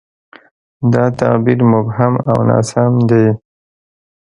دا تعبیر مبهم او ناسم دی.